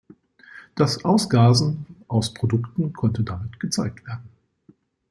Das Ausgasen aus Produkten konnte damit gezeigt werden.